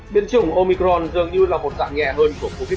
biến chủng omicron dường như là một dạng nhẹ hơn của covid một mươi